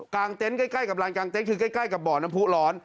เต็นต์ใกล้กับร้านกลางเต็นต์คือใกล้กับบ่อน้ำผู้ร้อน